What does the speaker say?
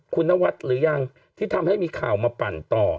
คุณนวัดหรือยังที่ทำให้มีข่าวมาปั่นต่อ